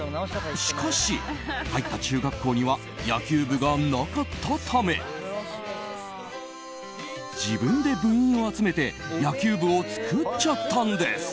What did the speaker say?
しかし入った中学校には野球部がなかったため自分で部員を集めて野球部を作っちゃったんです！